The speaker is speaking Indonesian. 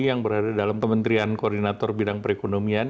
yang berada dalam kementerian koordinator bidang perekonomian